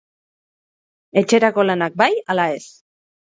Etxerako lanak bai ala ez?